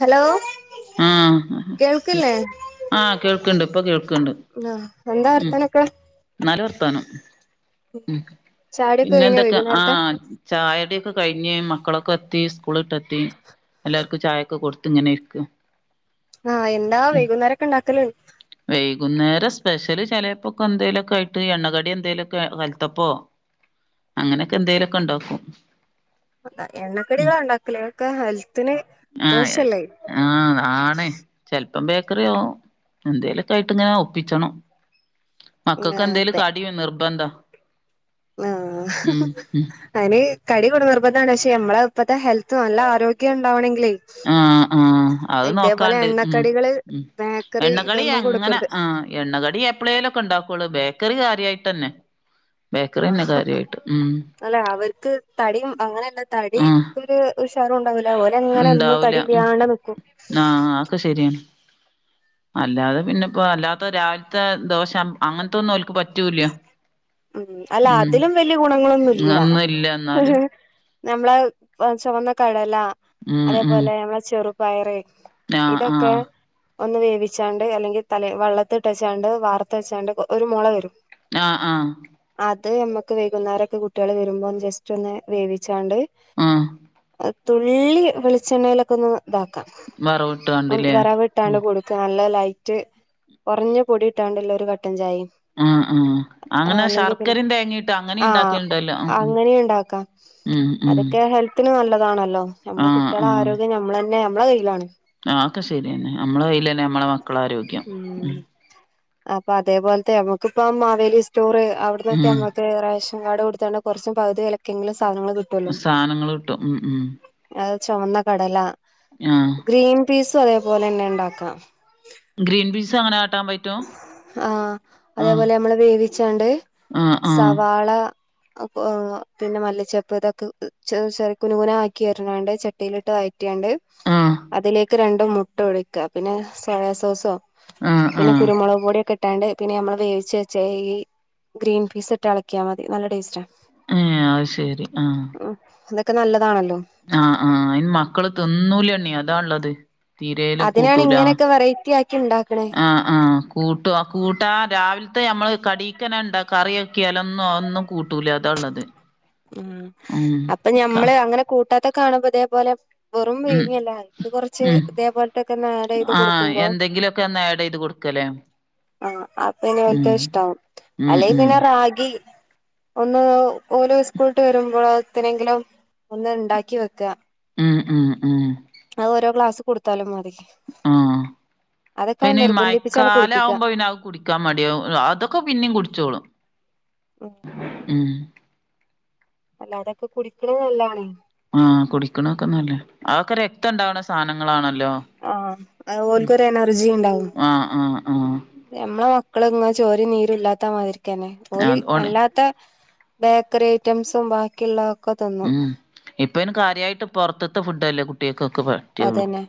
Hello ആ കേൾക്കില്ലേ ആ കേൾക്ക്ണ്ട് ഇപ്പൊ കേൾക്കണ്ട് ആ എന്താ വർത്താനൊക്ക നല്ല വർത്തനം ഉം ചായുടിയൊക്കെ പിന്നെ കഴിഞ്ഞോ എന്തൊക്കെ ആ വൈകുന്നേരത്തെ ചായൊടി കഴിഞ്ഞ് മക്കളൊക്കെ എത്തി സ്കൂൾ ഇട്ടെത്തി എല്ലാർക്കും ക്ചായൊക്കെ കൊടുത്ത് ഇങ്ങനെ ഇരിക്കാ ആ എന്താ വൈകുന്നേര ഒക്കെ ണ്ടാക്കല് വൈകുന്നേരം സ്പെഷ്യല് ചിലപ്പോക്കെ എന്തെേലൊക്കെ ക്കായിയിട്ട് എണ്ണകടി എന്തേലും ക്കെ കലത്തപ്പോ അങ്ങനെയൊക്കെ എന്തെലൊക്കെ ണ്ടാക്കും അ എണ്ണക്കടികളാ ണ്ടാക്കൽ ഒക്കെ ഹൽ ആ ആ ആണ് ചെല്പ്പ ഇപ്പം ബേക്കറിയോ എന്തേലൊക്കെ യിട്ട് ഇങ്ങനെ ഒപ്പിച്ചണം മക്കൾക്ക് ആഹ് എന്തേലും കടി നിർബന്ധ ആ ഉം ഉം അയ്ന് കടി കൊടു നിർബന്താണ് ചോ ത്യം മ്മളെ ഇപ്പത്തെ ഹെൽത്ത് നല്ല ആരോഗ്യംണ്ടാവണെങ്കിൽ ആ ആ അത് ഇതേപോലെ നോക്കാണ്ട് ഉം എണ്ണക്കടികള് ഉം ബേക്കറി എണ്ണകടി ഇതൊന്നും എങ്ങനെ കൊടുക്കരുത് ആ എണ്ണകടി എപ്പളേലൊക്കെ ഇണ്ടാക്കൊള്ളു ബേക്കറി കാര്യയിട്ട് ന്നെ ആ ഉം അല്ലെ അവർക്ക് തടി അങ്ങനെയല്ല തടി ഒരു ഉഷാ ണ്ടാവൂല നിക്കും ആ അക്കെ ശെരിയാണ് അല്ലാതെ പിന്നെ ഇപ്പോ അല്ലാത്ത രാവിലത്തെ ദോശ അങ്ങനതൊന്നും ന്നുംല്ല ക്ക് പറ്റുഹ് ല ഉം അല്ലാ അതിലും വല്ല്യ ഗുണങ്ങളൊന്നുല്യ ഒന്നും ഇല്ല എന്നാലും നമ്മളെ ആ ചുവന്ന കടല ഉം ഉം അതേപോലെ മ്മളെ ചെറുപയറ് ആഹ് ആ ഇതൊക്കെ ഒന്ന് വേവിച്ചാണ്ട് അല്ലെങ്കിൽ തലേ വള്ളത്ത്ട്ടെച്ചാണ്ട് വാർത്ത് വെച്ചാണ്ട് ഒരു മൊള വരും ആ ആഹ് അത് ഞമ്മക്ക് വൈകുന്നേരൊക്കെ കുട്ട്യാൾ വരുമ്പം ജസ്റ്റ് ഒന്ന് വേവിച്ചാണ്ട് ആഹ് തുള്ളി വെളിച്ചെണ്ണയിലൊക്കൊന്ന് താക്കാ വറവിട്ടാണ്ട്ല്ലേ ഉം വറവ്ട്ടാണ്ട് കൊടുക്ക നല്ല ലൈ റ്റ് കൊറഞ്ഞ പൊടിട്ടാണ്ട്ള്ളൊര് കട്ടൻ ചായിം ആ ആഹ് അങ്ങനെ പിന്നെ ശർക്കരിം തേങ്ങീട്ട് അങ്ങനിം ആഹ് ണ്ടാക്കൽണ്ടല്ലോ ഉം അങ്ങനെയും ഉണ്ടാക്കാം ഉം ഉം അതൊക്കെ ഹെൽത്തിന് നല്ലതാണല്ലോ. ഞമ്മളെ കുട്ട്യാളെ ആരോഗ്യം ഞമ്മളെന്നെ ഞമ്മളെ കയ്യിലാണ്. ആ ഒക്കെ ശെര്യന്നെ ഞമ്മളെ കയ്യിലെന്നെ മ്മളെ മക്കളാരോഗ്യം ഉം. അപ്പൊ അതേപോൽത്തെ ഞമ്മക്ക്പ്പം മാവേലി സ്റ്റോർ അവ്ട്ന്നൊക്കെ ഉം ഞമ്മക്ക് റേഷ ൻകാർഡ് കൊട്ത്താണ്ട് കൊർച്ചും പകുതിവെലക്കെങ്കിലും സാധനങ്ങൾ കിട്ടുല്ലോ സാനങ്ങള് കിട്ടും ഉം ഉം അഹ് ചൊമന്ന കടല ആഹ് പീസുഅതേപോലെന്നെ ണ്ടാക്കാ. ഗ്രീൻ പീസും ങ്ങനാ ആഹ ആഹ് അതേപോലെ ഞമ്മള് വേവിച്ചാണ്ട് ആഹ് ആഹ് സവാള അപ്പൊ പിന്നെ മല്ലിച്ചെപ്പ് തൊക്കെ ചെർ ചെറി കുനുകുനാ ആക്കി അരിഞാണ്ട് ചട്ടിയിലിട്ട് വൈ റ്റിയാണ്ട് ആഹ് അതിലേക്ക് രണ്ട് മുട്ട ഒഴിക്ക പിന്നെ സോയാ സോസോ ആഹ് പിന്നെ ആഹ് കുരുമുക് പൊടിക്കെ ട്ടാണ്ട് പിന്നെ ഞമ്മൾ വേവിച്ചെച്ച ഈ ഗ്രീൻ പീസ് ഇട്ട് എളക്ക്യാ മതി നല്ല ടേസ്റ്റാ. ഏ അഹ് ശരി ആഹ് ഉം അതൊക്കെ നല്ലതാണല്ലോ ആഹ് ആ അയ്ന് മക്കള് തിന്നൂലണ്ണീ അതാള്ളത് തീരേലും അതിനാണ് കൂട്ടൂല ഇങ്ങനെയൊക്കെ വെറൈറ്റി ആക്കി ഉണ്ടാക്കണേ ആഹ് ആഹ് കൂട്ടു ആ കൂട്ടാ രാവിൽ ത്തെ ഞമ്മള് കടീക്കെന്നെ ണ്ട കറിയാക്ക്യാലൊന്നും അഒന്നും കൂട്ടൂല അതാള്ളത് ഉം ഉം അപ്പൊ ക ഞമ്മള് അങ്ങനെ കൂട്ടാത്തെ കാണുമ്പോതേപോലെ വെറും ഉം വിഴുങ്ങല്ല അതിക്ക് കൊർച്ച് ഉം തേപോൽത്തൊക്കൊന്ന ആഡ് ചെയ്തു കൊടുക്കുമ്പോ ലേം ആഹ് അപ്പനി ഓൽക്കഇ ഷ്ട്ടാവും ഉം അല്ലെ ഉം പിന്നെ റാഗി ഒന്ന് ഓര് സ്കൂൾട്ട് വരുമ്പളോൾത്തിനെങ്കിലും ഒന്ന് ണ്ടാക്കി വെക്ക. ഉം ഉം ഉം അഹ് ഓരോ ഗ്ലാസ് കൊടുത്താലും മതി ആഹ് അതൊക്കെ പിന്നെ ഈ നിർബന്ധിപ്പിച്ചാണ് കുടിപ്പിക്ക മയക്കാലാവുമ്പോ പിന്ന അത് കുടിക്കാൻ മടിയാവും അതൊക്കെ പിന്നിം കുട്ച്ചോളും ഉം അല്ല അതൊക്കെ കുടിക്കണ നല്ലാണ്. ആഹ് കുടിക്കണൊക്കെ നല്ലെന്നെ അഒക്കെ രക്തണ്ടാവ്ണ സാനങ്ങളാണ് ആഹ് അഹ് ഓൽക്കൊരെനർജി ണ്ടാവും ആഹ് ആഹ് ആഹ് മ്മളെ മക്കള് ങ്ങനെ ചോരിം നീരും ല്ലാത്ത മാതിർക്കെന്നെ ഓൽ അത് ഓണ് അല്ലാത്ത ബേക്കറി ഐറ്റംസും ബാക്കിള്ള ഉം ഇപ്പയ്ന് കാര്യായിട്ട് പൊർത്ത്ത്തെ ഫുഡല്ലേ കുട്ട്യാക്ക് അതെന്നെ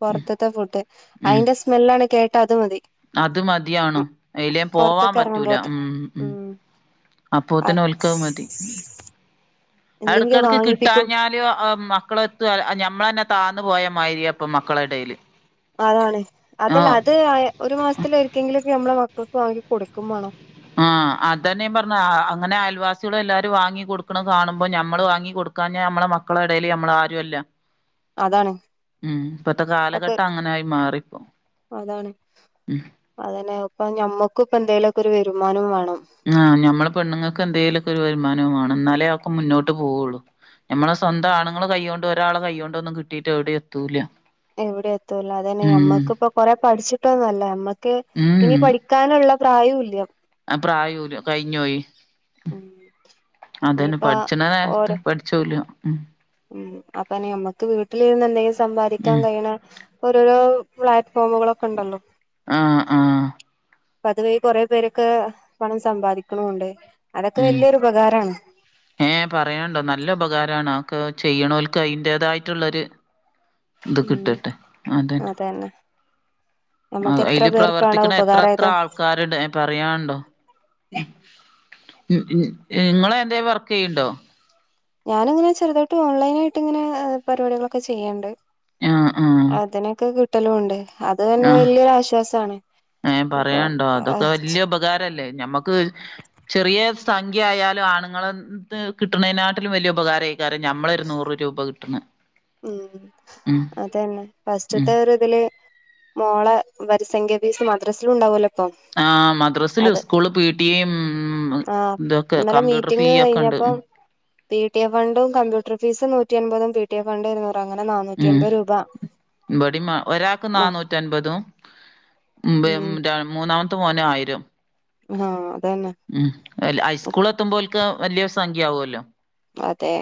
പൊർത്ത്ത്തെ ഫുഡ് ഉം അയ്ന്റെ സ്മെല്ലാണ്ട് കേട്ടാ അത് മതി. അത് മത്യാണും എയ്ലേം പോവാൻ പൊറത്ത്ക്ക് പറ്റൂല എറങ്ങുമ്പോത്ത് ഉം ഉം ആഹ് അപ്പോത്തിനോൽക തു മതി. ഇല്ലെങ്കി എട്ക്കെട്ക്ക് വാങ്ങിപ്പിക്കും കിട്ടാഞ്ഞാലും മക്കളെ ത്തും ഞമ്മളെന്നെ താന്നു പോയ മാര്യാ പ്പം മക്കളെടേല് അതാണ്. അതല്ല ആഹ് അത് ആയെ. ഒരു മാസത്തില് ഒരിക്കെങ്കിലൊക്കെ നമ്മളെ മക്കൾക്ക് വാങ്ങി കൊടുക്കും വേണോം. ആ അതന്നെയ പറഞ്ഞ ആ അങ്ങനെ ആയൽവാസി ട്ടികളും എല്ലാരും വാങ്ങി കൊടുക്കണതാണുമ്പോൾ നമ്മള് വാങ്ങി കൊടുക്കാഞ്ഞാ നമ്മള മക്കളടേല് നമ്മൾ ആരുവല്ലാ. അതാണ് ഉം ഇപ്പത്തെ ഒക്കെ കാലഘട്ടം അങ്ങനായി മാറിപ്പോ. അതാണ് ഉം അതന്നെ ഇപ്പ ഞമ്മക്കുപ്പന്തേലൊക്കൊരു വരുമാനം വേൺ ആഹ് ഞമ്മള് പെണ്ണുങ്ങൾക്ക് എന്തെലൊക്കൊരു വരുമാനവ് വാണം എന്നാലേ ഒക്കെ മുന്നോട്ട് പോവുള്ളു. ഞമ്മള് സ്വന്താണുങ്ങള് കൈ കൊണ്ട് ഒരാളെ കൈകൊണ്ടൊന്നും കിട്ടീട്ട് എവിടേ എത്തൂല്ല. എവിടേ എത്തൂലാ അതന്നെ ഞമ്മക്ക്പ്പൊ കൊറെ പഠിച്ചിട്ടോന്നല്ലമ്മ ക്കെ ഇനി പഠിക്കാനുള്ള പ്രായവുല്ല്യ. അ പ്രായൂര് കഴിഞ്ഞോയി. ഉം അതന്നെ ഇനിയിപ്പ പഠിച്ചണ നേരത്ത് ഓരോ പഠിചൂലാ ഉം. ഉം അപ്പാന്നെ മ്മക്ക് വീട്ടിലിരുന്ന് എന്തെങ്കിലും സമ്പാദിക്കാൻ ഉം കൈയണ ഓരോരോ പ്ലാറ്റ്ഫോമുകളൊക്കെ ണ്ടല്ലോ. ആ ആഹ്. പൊതുവെ കൊറേപേരൊക്കേ പണം സമ്പാദിക്കണുണ്ട്. അതൊക്കെ ഉം വലിയൊരു ഉപകാരാണ് ഏ പറയാണ്ടോ നല്ല ഉപകാരാണക്ക്. ചെയ്യണോൽക്ക് അയിന്റേതായിട്ടുള്ളൊര് ത് ഉം കിട്ടട്ടെ. അതന്നെ. ആ നമ്മക്ക് എത്ര അതില് പേർക്കാണ് പ്രവർത്തിക്കണ എത്ര എത്ര ഉപകാരായത് ആൾക്കാര്ണ്ട് ഏ പറയാൻണ്ടോ. ഉം മ് ഞ് ഏ നിങ്ങളെന്തേ വർക്കെയ്ണ്ടോ? ഞാനിങ്ങനെ ചെറുതാട്ട് ഓൺലൈനായിട്ട് ഇങ്ങനെ ആഹ് പരിപാടികളൊക്കെ ചെയ്യണ്ട്. ആഹ് ആഹ് അതിനൊക്കെ കിട്ടലോണ്ട്. അത് തന്നെ ആഹ് വല്ല്യോരാശ്വാസാണ്. ഏഹ് പറയാനുണ്ടോ. അതൊക്കെ വല്ല്യ ഉപകാരല്ലേ ഞമ്മക്ക് ചെറിയേ സംഖ്യ ആയാലൂ ആണുങ്ങളെ ൻത് കിട്ടണേനാട്ടിലും വല്ല്യ ഉപകാരായ്ക്കാരം നമ്മളൊരു നൂറ് രൂപ കിട്ടണ്. ഉം ഉം അതന്നെ ഉം പസ്റ്റത്തെ ഒരിതില് മോള വരിസംഖ്യാ പീസ് മദ്രസില്ണ്ടാവൊല്ലോ ആ മദ്രസില് സ്കൂള് പി ടിയും ഉം മ്മ്ഹ് ഇതൊക്കെ കമ്പ്യൂട്ടർ ഫീയ്യ് ഒക്കെണ്ട്. അപ്പം പി ടി എ ഫണ്ടും കമ്പ്യൂട്ടർ ഫീസും നൂറ്റി അമ്പപതും പി ടി എഫ് ഫണ്ട് ഇര്നൂ ഉം ബിടേം ആ ഒരാൾക്ക് ആ നന്നൂറ്റ അൻപതും ഉം ബിയം രൺ മൂന്നാമത്തെ മോനായിരം. ആഹ് അതന്നെ ഉം ആയില്ല ആയ്സ്കൂൾ എത്തുമ്പോൽക്ക് വല്ല്യ സംഖ്യ ആവോല്ലോ. അതെ.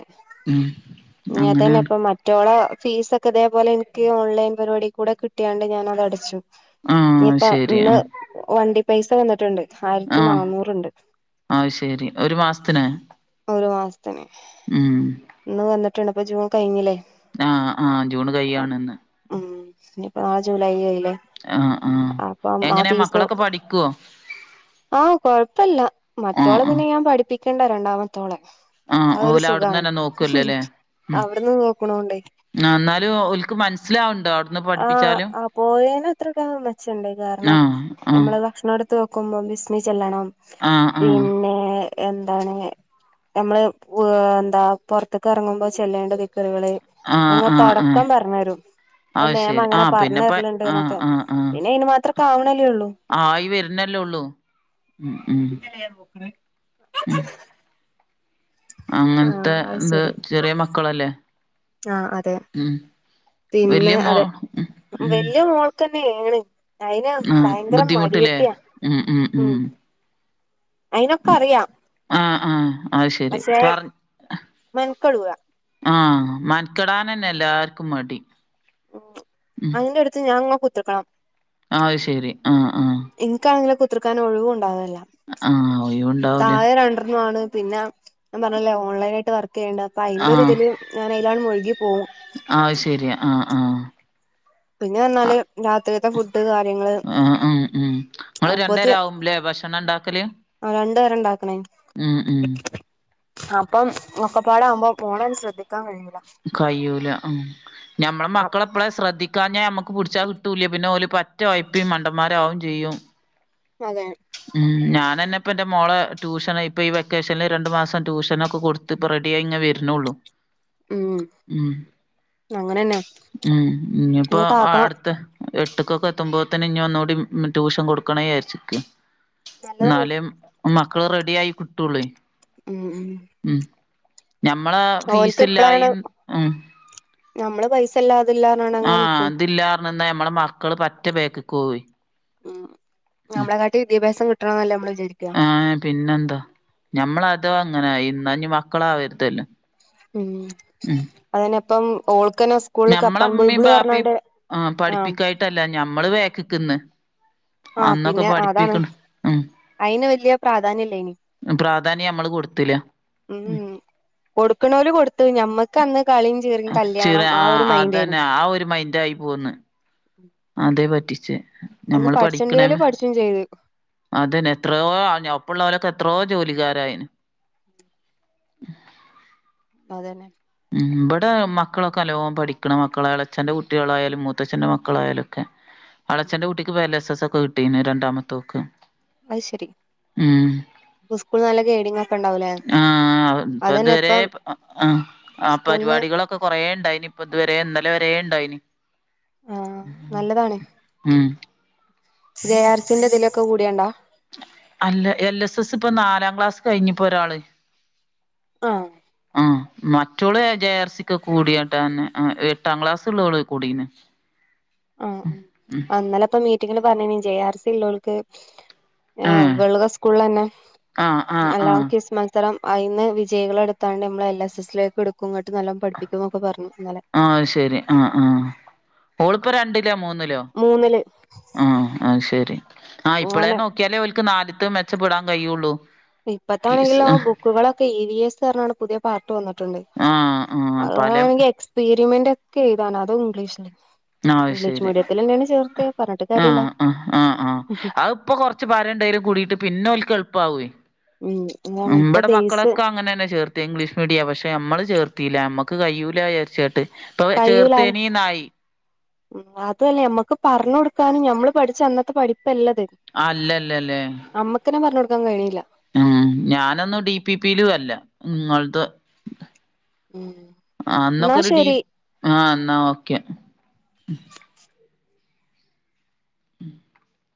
ഞതന്നെ അങ്ങനെയാണ് ഇപ്പൊ മറ്റോളെ ഫീസൊക്കെ ഇതേപോലെനിക്ക് ഓൺലൈൻ പരിപാടി കൂടെ കിട്ടിയാണ്ട് ഞാനതടച്ചു. ആ നിപ്പ ശരി ന്ന് ആ വണ്ടി പൈസ വന്നിട്ട്ണ്ട്. ആ ഹായ്രത്തി നാന്നൂറണ്ട്. ആ ശരി ഒരു മാസത്തിന് ഒരു മാസ്ത്തിന് ഹ്. ഉം ഇന്ന് വന്നിട്ട്ണ്ട്. പ്പ ജൂൺ കഴിഞ്ഞില്ലേ. ആ ആ ജൂണ് കയ്യാണ്ന്ന്. ന്നിപ്പം നാളെ ജൂലൈ ആയില്ലേ ആ ആ ആപ്പം ആ എങ്ങനെയാ ഫീസ് മക്കളൊക്കെ പഠിക്കുവോ ആ കൊഴപ്പല്ല. ആ മറ്റോളെ ആ പിന്നെ ഞാൻ പഠിപ്പിക്കണ്ട രണ്ടാമത്തോളെ. ആ അതൊരു സുഖാണ് ഓലവിടന്നന്നെ നോക്കൂലോല്ലേ.. ഉം അവിടുന്ന് നോക്കണോണ്ടേ എന്നാലും ഓൽക്ക് മനസ്സിലാവണ്ടോ അവ്ട് ആ ആ പോയേനത്രക്കേമെച്ചേണ്ട്. കാരണം ആഹ് ആഹ് നമ്മള് ഭക്ഷണോട് തോക്കുമ്പോ ബിസ്മി ചെല്ലണം ആഹ് ആഹ് പിന്നേ.... എന്താണ് നമ്മള് വ് എന്താ പുറത്തേക്കെറങ്ങുമ്പോ ചെല്ലേണ്ട ദിക് റ്കള് ആഹ് ആഹ് ആഹ് അങ്ങ്തൊടക്കം പറഞ്ഞരും ഇമ് അത് മേമ ശരി ആ അങ്ങനെ പിന്നെപ്പ പറഞ്ഞര്ല്ണ്ട് ആഹ് എന്നൊക്കെ ആഹ് ആഹ് പിന്നെ ഈന് മാത്രൊക്കെ ആവണല്ലേ ള്ളൂ.. ആയി വരുന്നല്ലേ ഉള്ളൂ ഉം ഉം ഉം ആഹ് അങ്ങനത്തെ ന്ത് ചെറിയ മക്കളല്ലേ. ആ അതെ. ഉം പിന്നെ വല്യ മോ അതെ. ഉം ഉം വലിയ മോൾക്കന്നെയേണ്. അയിനാ ആ ഭയങ്കര ബുദ്ധിമുട്ടില്ലേ മടിയത്തിയാ ഉം അയിനൊക്കറിയാം ആ അത് ശരി. പർ മെനക്കെടൂല ആ മൻക്കെടാനന്നെ എല്ലാർ ക്കുംമടി ഉം അയിന്റടുത്ത് ഞാൻങ്ങനെ കുത്ത്റ്ക്കണം അയ് ശെരി ആ ആ കുത്തറക്കാൻ ഒള്ളു ഉണ്ടാവല്ല ആഹ് ഒഴിവുണ്ടാവൂല താഴെ രണ്ടെണ്ണാണ് പിന്ന ഞാ പറഞ്ഞല്ലെ ഓൺലൈനായിട്ട് വർ ക്കേണ്ട അപ്പൊ ആഹ് അയിന്റൊര്താല് ഞാനയിലാണ് മുഴുകി പോവും ആ പിന്നെ റഞ്ഞാല് രാത്രിയത്തെ ഫുഡ് കാര്യങ്ങള് ഉം ആഹ് ഉം നിങ്ങള് രണ്ടേരം ആവുല്ലെ ഭക്ഷണം ഇണ്ടാക്കല് ആ രണ്ടേര ഇണ്ടാക്കണെ ഉം ഉം അപ്പം ഒക്കപ്പാടാവുമ്പൊ മോളെന്ന് ശ്രദ്ധിക്കാൻ കഴിയൂ കയ്യൂല ഉം ഞമ്മളെ മക്കളെപ്പ്ള ശ്രദ്ധി കാഞ്ഞാൽ ഞമ്മക്ക് പുടിച്ചാ കിട്ടൂല്ല പിന്നെ ഓല് പറ്റെ ഒഴപ്പി മണ്ടമ്മാരേവും ചെയ്യും അതെ ഉം ഞാ ഞാനന്നെ ഇപ്പന്റെ മോളെ ട്യൂഷന് ഇപ്പൊ ഈ വെക്കേഷന്ല് രണ്ട് മാസം ട്യൂഷനൊക്കെ കൊടുത്ത്പ്പ റെഡിയായിങ്ങനെ വര്ണൊള്ളു ഉം ഉം അങ്ങനെന്നെ ഉം ഉം ഇപ്പോ ഇഞ്ഞിട്ടാക്കണം അടുത്ത് എട്ട്കൊക്കെ എത്തുമ്പോത്ത്ന്ന് ഇനി ഒന്നുംകൂടി ട്യൂഷൻ കൊടുക്കണേ ചാരിച്ച്ക്ക നല്ലതാണ് ന്നാലെ മക്കള് റെഡി ആയി കിട്ടൊള്ളു ഉം ഉം ഞമ്മളാ ഓൽക്ക് ഇപ്പളാണ് ഫീസ്സില്ലായിം ഉം നമ്മള് പൈസല്ലാ ഇത് ല്ലാറ ഞ്ങ്ങാണ്ട് അങ്ങന നിക്കും നമ്മള മക്കള് പറ്റെ ബാക്ക്കോവെയ് ഉം നമ്മ്ളെ കാട്ടി വിദ്യഭ്യാസം കിട്ടണംന്നല്ലെ നമ്മള് വിജാ ആഹ് പിന്നെന്താ ഞമ്മളാതൊ അങ്ങനായി ഇന്നാഞി മക്കളാവര്തല്ലൊ ഉം അതിന്പ്പം ഓൾ ഞമ്മളിമ്മെ ബാപ്പിം ആഹ് പഠിപ്പിക്കായ്ട്ടല്ല ഞമ്മള് വേക്കിക്ക്ന്ന് ആഹ് അന്നൊക്കെ പിന്നെ അതാണ് പഠിപ്പിക്ക്ണ് ഉം അയിന് വല്യ പ്രാധാന്യല്ലേനി പ്രാധാന്യം മ്മള് കൊട്ത്തില ഉം കൊടുക്ക്ണോല് കൊട്ത്ത് ഞമ്മക്കന്ന് കളീം ചിറിം ചിറ കല്യാണം ആ ആഹ് ഒരു മൈൻഡേനി അതന്നെ ആ ഒര് മൈൻഡായി പോന്ന് അതെ പറ്റിച്ച് അന്ന് ഞമ്മള് പഠിച്ചണ്ടിയോല് പഠിക്ക്ണെമെ പഠിച്ചും ചെയ്ത് അതെന്നെ എത്രോ ഒപ്പള്ളോലൊക്കെ എത്രോ ജോലിക്കാരായ്ന് അതെന്നെ ഇവടെ മക്കളൊക്കെ നല്ലോം പഠിക്ക്ണ മക്കളാ ഇളച്ഛന്റെ കുട്ടീളായാലും മൂത്തച്ഛൻ്റെ മക്കളായാലൊക്കെ അളച്ചന്റെ കുട്ടിക്ക്പ എലസസ്സൊക്കെ കിട്ടീക്ണ് രണ്ടാമത്തോക്ക് അത് ശരി ഉം ഇപ്പ സ്കൂളിൽ നല്ല ഗൈഡിംഗ് ഒക്കെ ഉണ്ടാവൂലേ ആഹ് ഇപ്പൊ അതന്നെ ഇതുവരേ ഇപ്പം ആഹ് ആഹ് സ്കൂളിന്ന് പരിപാടികളൊക്കെ കൊറേ ഇണ്ടായ്ന് ഇപ്പ ഇത് വരെ ഇന്നലെ വരേ ഇണ്ടായ്ന് ആഹ് ഉം ജെയാർസിന്റെ ഇത് ലൊക്കെ കൂടിയണ്ടോ അല്ല എൽ സ സ്സ് ഇപ്പൊ നാലാം ക്ലാസ് കഴിഞ്ഞുപ്പൊരാള് ആഹ് ആഹ് മറ്റോള് ജയാർസിക്ക് കൂടിയട്ടാ അന്ന് ആഹ് എട്ടാം ക്ലാസൊള്ളു ഓള് കൂടീന്ന് ആഹ് ഇന്നെല ഇപ്പൊ മീറ്റിങ്ങ്ല് പറഞ്ഞീന്നു ജെ ആർ സി ഇള്ളോൽക്ക് ആഹ് ഏഹ് വ്ള സ്കൂളിലന്നെ ആഹ് ആഹ് അല്ലാം ആഹ് കിസ് മത്സരം അയിന്ന് വിജയികള എടുത്താണ്ട് നമ്മൾ എൽ എസ് എസിലേക്ക് എടുക്കുംഇങ്ങട്ട് നല്ലോപഠിപ്പിക്കും എന്നൊക്കെ പറഞ്ഞു ഇന്നലെ ആ ശെരി ആഹ ആഹ ഓളിപ്പൊ രണ്ടിലോ മൂന്നിലോ മൂന്നില് ആആ ശരി ആ ഇപ്പളേ അങ്ങനെ നോക്കിയാലേ അവർക്ക് നാലിത്തെ മെച്ചപ്പെടാൻ കഴിയുള്ളൂ കിസ് ഇപ്പത്താണെങ്കിലോ ആഹ് ബുക്കുകളൊക്കെ ഇ വി എസ് ന്നറഞ്ഞ പുതിയ പാർട്ട് വന്നിട്ടുണ്ട് ആഹ് പലം അതാണെങ്കിൽ എക്സ്പെരിമെന്റ് ഒക്കെ ഇതാണ് അതും ഇംഗ്ലീഷില് ഇംഗ്ലീഷ് മീഡിയത്തില്ലന ആ ആ ആ ആ അത്പ്പൊ കൊറച്ച് പാരം എണ്ടായാലും കൂടിയിട്ട് പിന്നെ ഓൽ എൾപ്പാകെ ഉം അതാണ് ഇപ്പൊ ബടെ ബേസ് മക്കളൊക്കെ അങ്ങനെ തന്നെ ചേർത്ത് ഇംഗ്ലീഷ് മീഡിയ പക്ഷെ പക്ഷെ നമ്മള് ചേർത്തില്ല നമ്മക്ക് കഴൂല വിചാരിച്ചട്ട് ഇപ്പൊ ചേർത്ത്നിന്നായി ഉ അതല്ലേ മ്മക്ക് പറഞ്ഞ കൊടുക്കാനും ഞമ്മള് പഠിച്ചു അന്നത്തെ പഠി പ്പല്ലത് അല്ലല്ലല്ലേ അമ്മക്കനെ പറഞ്ഞ കൊടുക്കാൻ കഴിഞ്ഞല്ല ഉം ഞാനൊന്നും ഡി പി പിയിലും അല്ല നിങ്ങളത് ഉം ആ അന്നക്കെ എന്നാ ഒരു ടി ശരി ആ എന്നാ ഓക്കെ